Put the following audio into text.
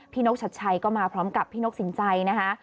นกชัดชัยก็มาพร้อมกับพี่นกสินใจนะคะ